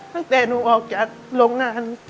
ตั้งแต่หนูออกจากโรงงาน